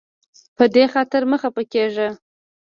په دې خاطر مه خفه کیږه.